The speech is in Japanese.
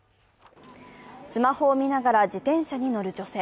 スマホを見ながら自転車に乗る女性。